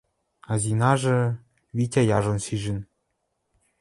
А Зинажы... Витя яжон шижӹн: